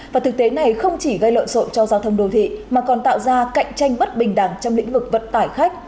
và thực tế này không chỉ gây lộn xộn cho giao thông đô thị mà còn tạo ra cạnh tranh bất bình đẳng trong lĩnh vực vận tải khách